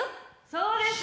そうです！